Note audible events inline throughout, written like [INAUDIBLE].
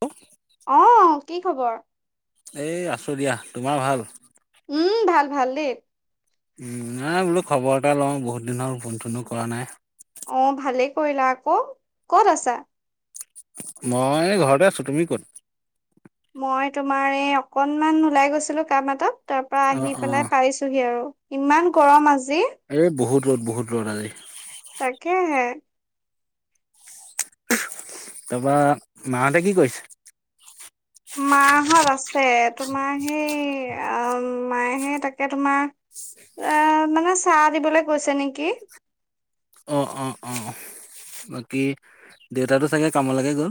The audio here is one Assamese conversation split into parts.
ল্ল'! অ', কি খবৰ? এই আছো দিয়া ।তোমাৰ ভাল? উম, ভাল ভাল দেই । উম, নাই বোলো খবৰ এটা লওঁ। বহুত দিন হ'ল ফোন- চোনো কৰা নাই । অ', ভালেই কৰিলা ক ।ক'ত আছা? মই ঘৰতে আছোঁ‌। তুমি ক'ত? মই তোমাৰ এই অকণমান ওলাই গৈছিলো কাম এটাত । তাৰ পৰা অ আহি অ পেলাই পাইছোহি আৰু ইমান গৰম আজি । এই বহুত ৰ'দ, বহুত ৰ'দ আজি । তাকে হে তাপা, মাহঁতে কি কৰিছে? মাহঁত আছে। তোমাৰ সেই অ' মায়েহে তাকে তোমাৰ এ মানে চাহ দিবলে গৈছে নেকি? অ', অ' অ' বাকি, দেউতাটো চাগে কামলেগে গ'ল?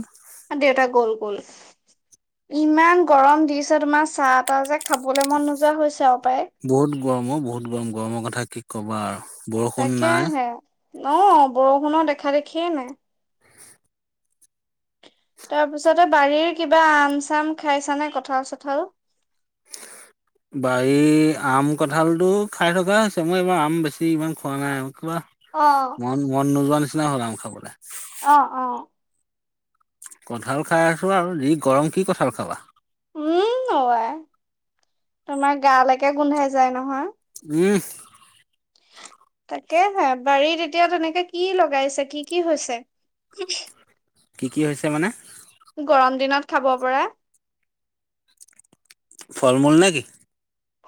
দেউটা গ'ল, গ'ল । ইমান গৰম দিছে তোমাৰ চাহ -তাহ যে খাবলে মন নোযোৱা হৈছে আও । বহুত গৰম অ', বহুত গৰম, গৰমৰ কথা কি ক'বা আৰু। বৰষুণ নাই তাকেহে, ন' বৰষুণৰ দেখা দেখিয়ে নাই । তাৰপিছতে বাৰীৰ কিবা আম চাম খাইছা নে কঁঠাল- চঠাল? [INAUDIBLE] বাৰি আম, কঁঠালটো খাই থকা হৈছে। মই এইবাৰ আম বেছি, ইমান খোৱা নাই আৰু কিবা, অ', মন মন নোযোৱা নিচিনা হ'ল আম খাবলে। অ', অ' কঁঠাল খাই আছো আৰু যি গৰম কি কঁঠাল খাবা? উম, অ' আই তোমাৰ গালৈকে গোন্ধাই যায় নহয় । উম তাকেহে, বাৰীত এতিয়া তেনেকে কি লগাইছে? কি কি হৈছে? কি কি হৈছে মানে? গৰম দিনত খাব পাৰা? ফল- মূল নেকি?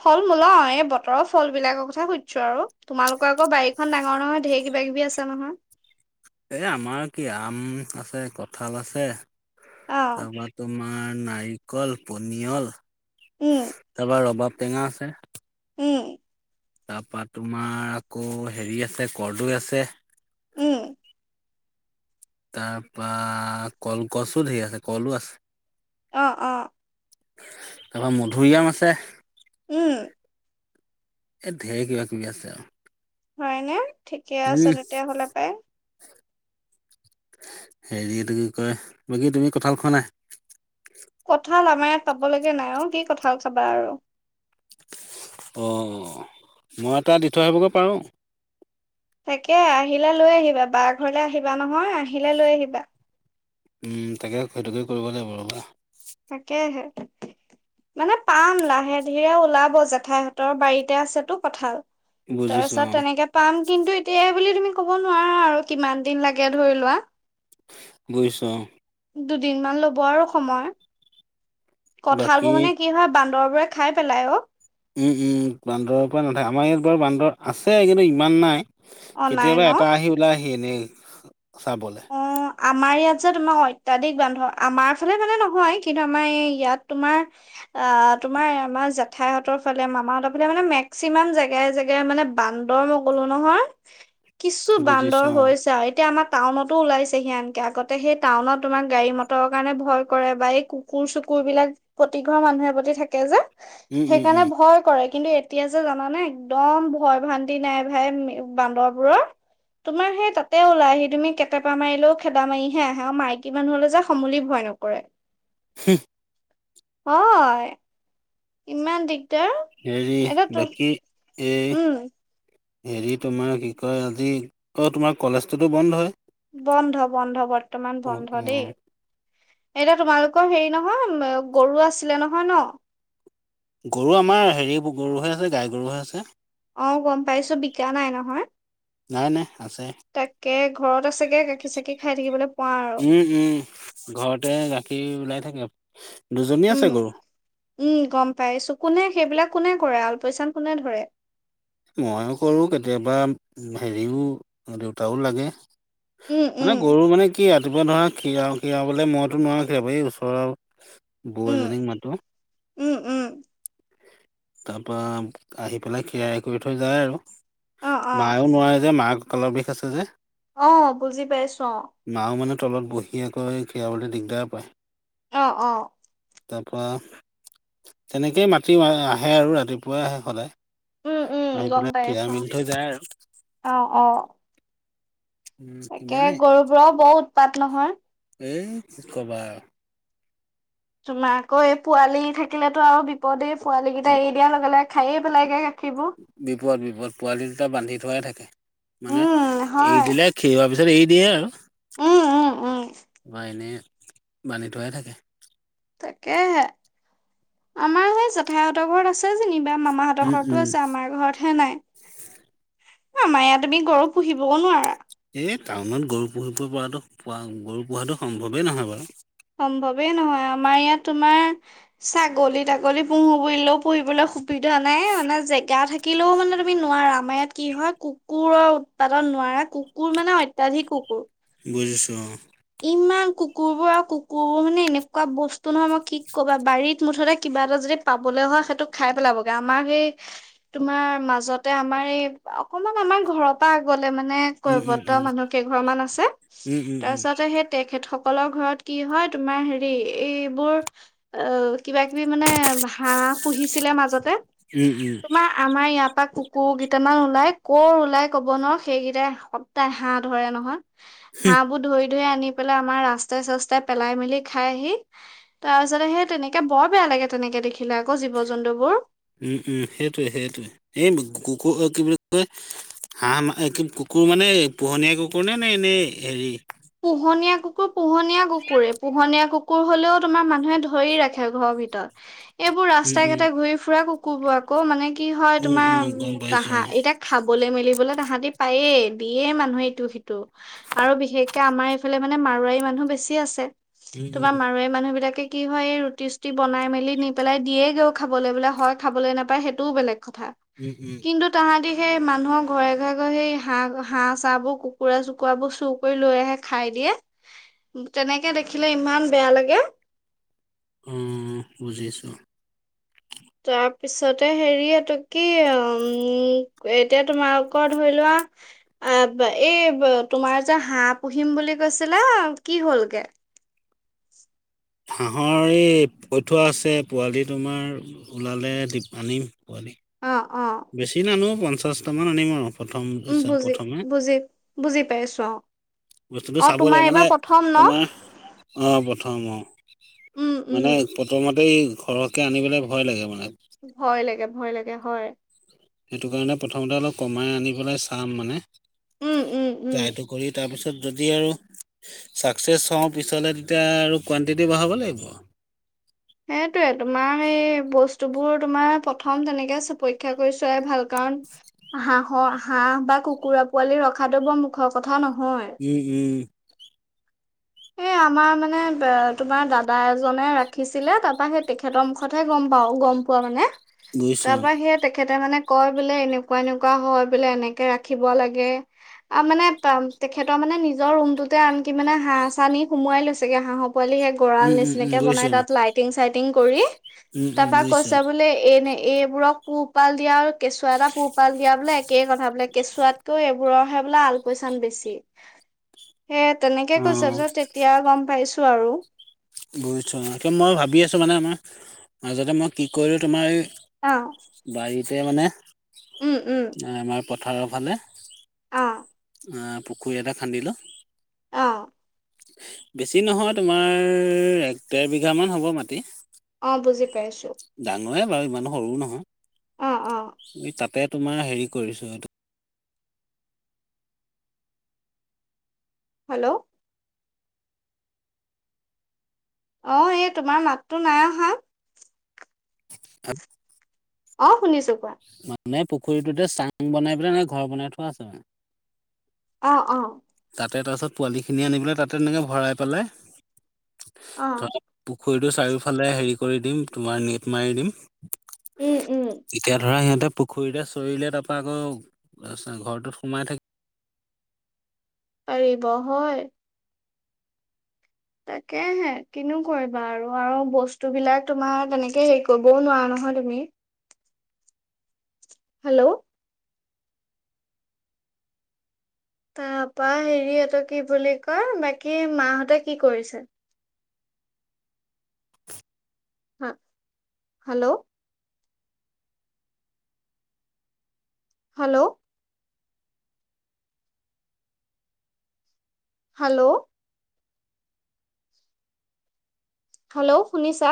ফল মূল অঁ, এই বতৰৰ ফল বিলাকৰ কথা সুধিছো আৰু তোমালোকৰ আকৌ বাৰীখন ডাঙৰ নহয় ঢেৰ কি বা-কিবি আছে নহয়? [INAUDIBLE] এ আমাৰ কি আ আম আছে, কঁঠাল আছে অ', তাৰপৰা তোমাৰ আমাৰ নাৰিকল, পনিয়ল উম, তাৰপৰা ৰৱাব টেঙা আছে । উম। তাৰপা তোমাৰ আকৌ হেৰি আছে, কৰদৈ আছে । ওঁ তাৰপা কলগছো ঢেই আছে, কলো আছে । অঁ, অঁ তাপা মধুৰিআম আছে । উম। এই ঢেৰ কিবা কিবি আছে আৰু। হয় নে ঠিকে আছে উম, তেতিয়াহ'লে পাই। সেৰি এইটো কি কয় বাকী তুমি কঁঠাল খোৱা নাই? কঁঠাল আমাৰ ইয়াত পাব লগে নাই অঁ কি কঁঠাল খাবা আৰু। অঁ মই এটা দি থৈ আহিবগৈ পাৰোঁ। তাকে আহিলে লৈ আহিবা বাৰ ঘৰলে আহিবা নহয়। আহিলে লৈ আহিবা উম তাকে, সেইটোকে কৰিব লাগিব ৰবা। তাকে হে। মানে পাম লাহে ধীৰে ওলাব জেঠাইহঁতৰ বাৰীতে আছেটো কঁঠাল। তাৰ বুজিছোঁ পিছত অ', তেনেকে পাম কিন্তু এতিয়া- বুলি তুমি ক'ব নোৱাৰা আৰু কিমান দিন লাগে ধৰি লোৱা। বুজিছোঁ অঁ । দুদিন মান ল'ব আৰু সময়। বাকী কঁঠালবোৰ মানে কি হয় বান্দৰবোৰে খাই পেলাই অঁ। উম উম বান্দৰৰ পৰা নাথাকে আমাৰ ইয়াত বাৰু বান্দৰ আছে কিন্তু ইমান নাই। অনাই কেতিয়াবা ন এটা আহি ওলাই আহি এনেই চাবলৈ। অ আমাৰ ইয়াত যে তোমাৰ অত্যাধিক বান্দৰ । আমাৰ ফালে মানে নহয় কিন্তু আমাৰ এই ইয়াত তোমাৰ- আ তোমাৰ আমাৰ জেঠাইহঁতৰ ফালে মামাহতৰ ফালে মানে মেক্সিমাম জেগাই জেগাই মানে বান্দ- বান্দৰ মই কলো নহয় কিছু বান্দৰ বুজিছো অ'। হৈছে আৰু এতিয়া আমাৰ টাউনত- টো ওলাইছেহি আনকে আগতে সেই টাউনত তোমাক গাড়ী মটৰৰ কাৰণে ভয় কৰে বা এই কুকুৰ চুকুৰ বিলাক- প্ৰতি ঘৰৰ মানুহৰ প্ৰতি থাকে যে উম, উম, সেইকাৰণে উম, ভয় কৰে। কিন্তু- এতিয়া যে জানানে একদম ভয় ভান্তি নাই ভাই বান্দৰবোৰৰ। তোমাৰ সেই তাতে ওলাই আহি তুমি- তাপা মাৰিলেও খেদা মাৰিহে আহে আৰু মাইকী মানুহলে যে সমুলী ভয় নকৰে। হুহঁ। হয় ইমান দিগ- হেৰি বাকী- এই উম হেৰি তোমাৰ কি কয় আজি অ তোমাৰ কলেজটোতো বন্ধয়ে। বন্ধ-বন্ধ বৰ্তমান বন্ধ দেই অ'। এতিয়া তোমালোকৰ হেৰি ন- নহয় গৰু আছিলে নহয় ন। গৰু আমাৰ হেৰি গৰুহে আছে গায় গৰুহে আছে। অঁ গম পাইছো বিকা নাই নহয়। নাই নাই আছে। এ ঘৰত আছেগে গাখী চাখী খায় থাকিবলৈ পোৱা আৰু। উম, উম, ঘৰতে গাখীৰ ওলাই থাকে, দুজনী উম আছে গৰু। উম গম পাইছো। কোনে সেইবিলাক কোনে কৰে আলপাচন কোনে ধৰে। মইয়ো কৰোঁ কেতিয়াবা সেৰিও দেউতাও লাগে। উম উম মানে গৰু মানে কি- মাতিব ধৰা কৰা খীৰাও খীৰাও বোলে মইতো নোৱাৰো খীৰাব। এই ওচৰৰ বৌ উম এজনীক মাতোঁ। উম উম [UNINTELLIGIBLE] [INAUDIBLE] তাৰপা আহি পেলাই খিৰাই কৰি থৈ যায় আৰু অ অ মায়েও নোৱাৰে যে মাক- কঁকালৰ বিষ আছে যে। অঁ বুজি পাইছো অঁ । মাও মানে তলত বহি আকৈ খীৰাবলৈ দিগদাৰ পায়। [UNINTELLIGIBLE] অঁ অঁ। তাৰপা তেনেকেই মাতি আহে আৰু ৰাতিপুৱাই আহে উম উম সদায়। আহি গম পেলাই পাইছো খীৰাই মেলি থৈ যায় আৰু। অ অ উম তাকে ইমানেই গৰুবোৰও বৰ উৎপাত নহয়। এই কি ক'বা। তোমাৰ আকৌ এই পোৱালি থাকিলেেতো আৰু বিপদেই পোৱালী কেইটা এৰি দিয়া লগে লগে খায়ে পেলাইগে। গাখীৰবোৰ বিপদ বিপদ পোৱালি দুটা বান্ধি থোৱাই থাকে মানে উম এ হয় দিলে খি। তাৰ পিছত এৰি দিয়ে আৰু উম উম উম বা এনেই বান্ধি থোৱাই থাকে। তাকেহে আমাৰ সেই জেঠাইহঁতৰ ঘৰত আছে যেনি। বা মামাহঁতৰ উম ঘৰতো উম আছে আমাৰ ঘৰত হে নাই আমা ইয়াত তুমি গৰু পুহিবও নোৱাৰা। এই টাউনত গৰু পুহিব পৰা পোৱা গৰু পোহাতটো সম্ভৱেই নহয় বাৰু। [UNINTELLIGIBLE] সম্ভৱেই নহয় আমাৰ ইয়াত তোমাৰ ছাগলী তাগলী পুহো বুলিলেও পুহিবলৈ। সুবিধা নাই মানে জেগা থাকে। থাকিলেও মানে তুমি নোৱাৰা আমাৰ ইয়াত কি হয় কুকুৰৰ উৎপাদন নোৱাৰা কুকুৰ মানে অত্যাধিক কুকুৰ। বুজিছোঁ অ। ইমান কুকুৰ বোৰ আৰু কুকুৰবোৰ মানে এনেকুৱা বস্তু নহয় মই কি ক'বা বাৰীত মুঠতে কিবা এটা যে। পাবলৈ হ সেইটো খাই পেলাবগে আমাৰ সেই তোমাৰ মাজতে আমাৰ এই অকনমান। আমাৰ ঘৰৰ আগত। লে মানে উম, উম, কৈৱত্ব উম, মনুহকেইঘৰমান আছে উম, উম, উম, তাৰপাছত হেই তেখেতসক। অকলৰ ঘৰত কি হয় তোমাৰ হেৰি এইবোৰ অ কিবা কিবি মানে। হাঁ পুহিছিলে মাজতে উম, উম, তোমাৰ আমাৰ ইয়াৰ পৰা। কোৰ কেইটামান ওলাই কৰ ওলাই কব নোৱাৰ সেইকেইটাই সদায় হাঁহ ধৰে নহয়। হা বু ধই। ধ আনি পেলাই আমাৰ ৰাস্তাই চাস্তাই পেলাই মেলি খাইহি তাৰ পিছতে সেই তেনেকে বৰ বেয়া। লাগে তেনেকে দেখিলে। [UNINTELLIGIBLE] জীৱ জন্তুবোৰ উম উম সেইটোৱে সেইটোয়ে এই কুকো কি বুলি। হাঁহ কুকুৰ মানে পোহনীয়া কুকুৰনে নে এনেই হেৰি। পোহনীয়া কুকুৰ পোহনীয়া কুকুৰে পোহনীয়া কুকুৰ। কুকুৰ হলেও তোমাৰ মানুহে ধৰি ৰাখে ঘৰৰ ভিতৰত এইবোৰ উম, ৰাস্তাই উম, ঘাটে ঘূৰি ফুৰা কুকুৰ। কব আকৌ মানে কি হয় উম, উম, তোমাৰ গম পাইছো তাহা অ', এতিযা খাবলৈ মিলি। বলিবলে তাহাঁতি পায়েই দিয়ে মানুহে ইটো সিটো আৰু বিশেষক। কে আমাৰ এইফালে মানে মাৰোৱাৰী মানুহ বেছি আছে উম, উম, তোমাৰ মাৰোৱাৰী মানুহ বিলাকে। কি হয় এই ৰুটি চুটি বনাই মেলি নি পেলাই দিয়েগৈও খাবলৈ বোলে হয় খাবলৈ নাপায় সেইটোও বেলেগ। কথা উম, উম। কিন্তু তাহাদি। সেই মানুহৰ ঘৰে ঘৰে গৈ সেই হাঁহ হাঁহ চাহ বোৰ কুকুৰা চুকুৰা বোৰ চুৰ কৰি লৈ আহে। খাই দিয়ে তেনেকে দেখিলে ইমান বেয়া লাগে। ওম বুজিছো। তাৰপিছতে হেৰি এইটো কি অ এতিয়া তোমালোক ধৰি লোৱা। অ বা এই ব তোমাৰ যে হাঁহ পুহিম বুলি কৈছিলা কি হ'লগে। [INAUDIBLE] হাঁহৰ এই পৈ থোৱা আছে পোৱালি তোমাৰ ওলালে দি আনিম পোৱালি। অ অ বেছি নানো পঞ্চাশটা মান আনিম আৰু। প্ৰথম উম ঈশা বুজি প্ৰথমে। বুজি বুজি পাইছো অ বস্তুটো অ চাব তোমাৰ লাগ মানে এইবাৰ প্ৰথম ন তোমাৰ আহ প্ৰথম অ। উম উম মানে প্ৰথমতে ঘৰহকে আনিবলৈ ভয় লাগে মানে। ভয় লাগে ভয় লাগে হয়। সেইটো কাৰণে প্ৰথমতে অলপ কমাই আনি পেলাই চাম মানে। উম উম উম ট্ৰ্ইটো কৰি তাৰপিছত যদি আৰু। ছাকচেছ হওঁ পিছলৈ তেতিয়া আৰু কুৱণ্টিটি বঢ়াব লাগিব। সেইটোয়ে তোমাৰ এই বস্তু বোৰ তোমাৰ প্ৰথম তেনেকে পৰীক্ষা কৰি চোৱাই ভাল কাম। হাঁহৰ হাঁহ বা কুকুৰা পোৱালি ৰখাতটো বৰ মুখৰ কথা নহয়। উম উম। এই [INAUDIBLE] আমাৰ মানে তোমাৰ দাদা এজনে ৰাখিছিলে তাৰপা সেই তেখেতৰ মুখতহে গম পাওঁ গম। পোৱা মানে বুজিছো তাৰ অ', পৰা সেই তেখেতে মানে--। কয় বোলে এনেকুৱা এনেকুৱা হয় বোলে এনেকে ৰাখিব লাগে আৰু মানে তেখেতৰ মা মানে নিজৰ ৰুমটোতে আনকি মানে হাঁহ চা নি সোমোৱাই লৈছেগে হাঁহৰ পোৱালি সে গঁৰা়ল উম, উম, উম, নিচিনাকে বনাই বুজিছো অ', তাত লাইটিং চাইটিং কৰি উম, উম, তাৰপা বুজিছো কৈছে বোলে এ এনে এইবোৰক পোহপাল দিয়া আৰু কেঁচুৱা এটা পোহপাল দিয়া বোলে একেই কথা বোলে কেঁচুৱাতকেও এইবোৰ বোলে আলপোচান বেছি। [INAUDIBLE] সেই তেনেকে কৈছে অ'। তাৰপাছত গম পাইছো আৰু। মই ভাবি আছোঁ মানে আমাৰ মাজতে মই কি কৰিলোঁ তোমাৰ এই অ বাৰীতে মানে উম উম আমাৰ পথাৰৰ ফালে অ আহ পুখুৰী এটা খান্দিলো, অ বেছি নহয় তোমাৰ এক ডেৰ বিঘা মান হ'ব মাটি। অ বুজি পাইছো। সৰুৱে বাৰু ইমান সৰু অ অ নহয়, এই তাতে তোমাৰ হেৰি কৰিছো এইটো হেল্ল'! অ এই তোমাৰ মাতটো নাই অহা। [UNINTELLIGIBLE] অ শুনিছো কোৱা। মানে পুখুৰীটোতে চাং বনাই পেলাই এনে ঘৰ বনাই থোৱা আছে মানে। অ অ। তাতে তাৰ পাছত পোৱালি খিনি আনি পেলাই তাতে এনেকে ভৰাই পেলাই অ পু খুৰীটো চাৰিওফালে হেৰি কৰি দিম তোমাৰ নেট মাৰি দিম। উম উম। তেতিয়া ধৰা সিহঁতে পুখুৰীতে চৰিলে তাৰপৰা আকৌ ঘৰটোত সোমাই থাকিব। পাৰিব হয়। তাকেহে কিনো কৰিবা আৰু আৰু বস্তু বিলাক তোমাৰ তেনেকে হেৰি কৰিবও নোৱাৰা ন হয় তুমি। হেল্ল'! তাৰপা হেৰি এইটো কি বুলি কয় বাকী মাহঁতে কি কৰিছে? হা হেল্ল'! হেল্ল'! হেল্ল'! হেল্ল' শুনিছা?